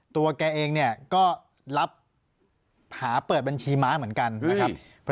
ตัวแกเองเนี่ยก็รับหาเปิดบัญชีม้าเหมือนกันนะครับ